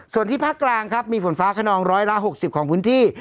ส่วนที่ภาคกลางครับมีฝนฟ้าขนองร้อยละ๖๐ของพื้นที่